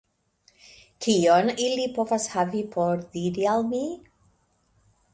Kion ili povas havi por diri al mi?